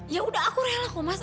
ya udah aku rela kok mas